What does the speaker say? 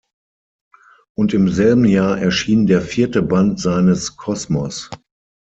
Und im selben Jahr erschien der vierte Band seines Kosmos.